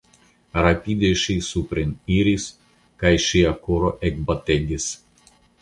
Rapide ŝi supreniris kaj ŝia koro ekbategis.